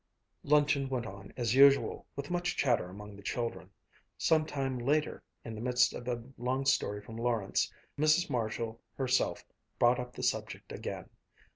Luncheon went on as usual, with much chatter among the children. Some time later in the midst of a long story from Lawrence, Mrs. Marshall herself brought up the subject again.